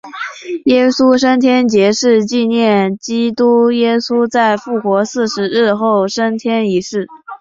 耶稣升天节是纪念基督耶稣在复活四十日后升天一事。